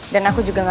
dan aku juga lupa